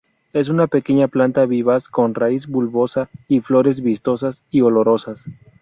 Es una pequeña planta vivaz con raíz bulbosa y flores vistosas y olorosas.